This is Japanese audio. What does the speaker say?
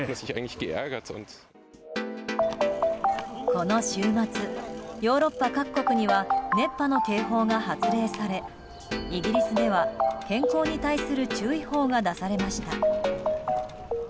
この週末、ヨーロッパ各国には熱波の警報が発令されイギリスでは、健康に対する注意報が出されました。